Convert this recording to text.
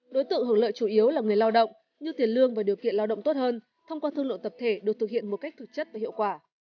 đối tượng hưởng lợi chủ yếu là người lao động như tiền lương và điều kiện lao động tốt hơn thông qua thương lượng tập thể được thực hiện một cách thực chất và hiệu quả